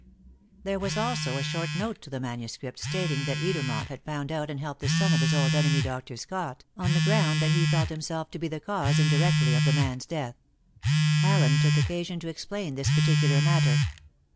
There was also a short note to the manuscript, stating that Edermont had found out and helped the son of his old enemy, Dr. Scott, on the ground that he felt himself to be the cause indirectly of the man's death. Allen took occasion to explain this particular matter.